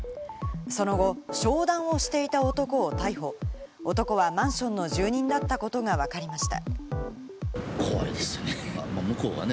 その後、商談をしていた男を逮捕男はマンションの住人だったことがわかりました。